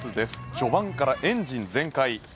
序盤からエンジン全開。